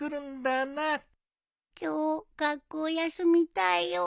今日学校休みたいよう。